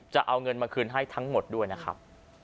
จะเอาเงินมาคืนให้ทั้งหมดด้วยนะครับ